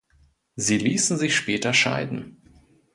Sie ließen sich später scheiden.